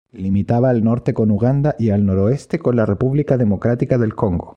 Limitaba al norte con Uganda, y al noroeste con la República Democrática del Congo.